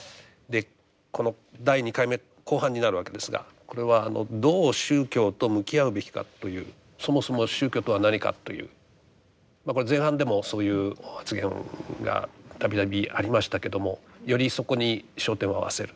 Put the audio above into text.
この第２回目後半になるわけですが「どう宗教と向き合うべきか」というそもそも宗教とは何かというこれ前半でもそういう発言が度々ありましたけどもよりそこに焦点を合わせる。